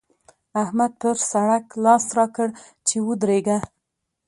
احمد پر سړک لاس راکړ چې ودرېږه!